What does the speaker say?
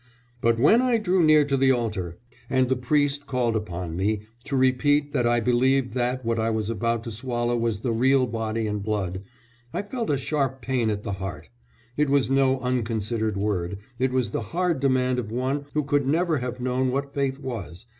"But when I drew near to the altar, and the priest called upon me to repeat that I believed that what I was about to swallow was the real body and blood, I felt a sharp pain at the heart; it was no unconsidered word, it was the hard demand of one who could never have known what faith was